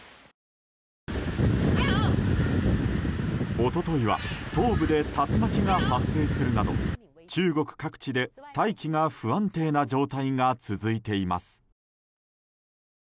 一昨日は東部で竜巻が発生するなど中国各地で大気が不安定な状態が続いています。